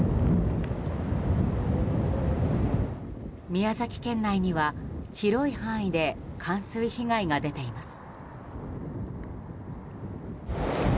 宮崎県内には広い範囲で冠水被害が出ています。